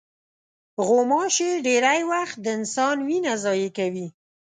غوماشې ډېری وخت د انسان وینه ضایع کوي.